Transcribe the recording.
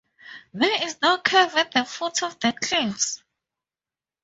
There is no cave at the foot of the cliffs.